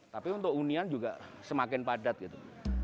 tapi untuk hunian juga semakin padat gitu